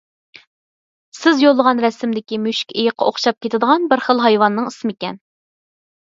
سىز يوللىغان رەسىمدىكى مۈشۈكئېيىققا ئوخشاپ كېتىدىغان بىر خىل ھايۋاننىڭ ئىسمىكەن؟